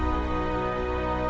aku suka yang seksi